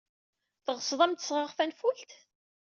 Teɣsed ad am-d-sɣeɣ tanfult?